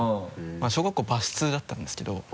小学校バス通だったんですけど。